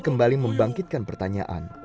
kembali membangkitkan pertanyaan